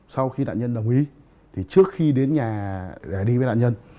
sau khi đạn nhân đồng ý thì trước khi đến nhà để đi với đạn nhân